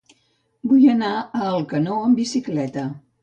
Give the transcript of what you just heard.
Vull anar a Alcanó amb bicicleta.